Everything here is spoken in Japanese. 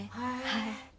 はい。